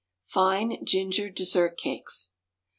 _Fine Ginger Dessert Cakes.